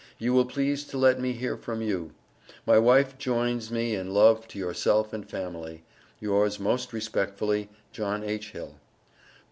You will please to let me hear from you. My wife Joines me in love to yourself and family. Yours most Respectfully, JOHN H. HILL.